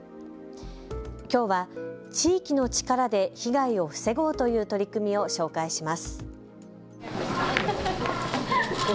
きょうは地域の力で被害を防ごうという取り組みを紹介します。